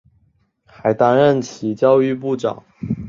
还担任其教育部长。